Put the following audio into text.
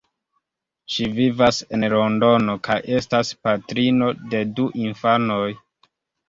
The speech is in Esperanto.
Ŝi vivas en Londono kaj estas patrino de du infanoj.